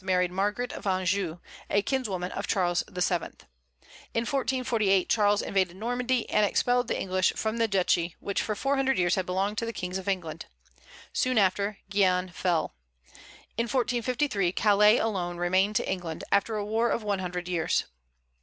married Margaret of Anjou, a kinswoman of Charles VII. In 1448 Charles invaded Normandy, and expelled the English from the duchy which for four hundred years had belonged to the kings of England. Soon after Guienne fell. In 1453 Calais alone remained to England, after a war of one hundred years.